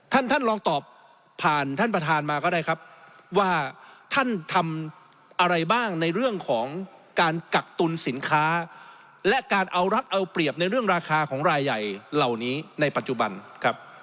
ท่านท่านลองตอบผ่านท่านประธานมาก็ได้ครับว่าท่านทำอะไรบ้างในเรื่องของการกักตุลสินค้าและการเอารัฐเอาเปรียบในเรื่องราคาของรายใหญ่เหล่านี้ในปัจจุบันครับ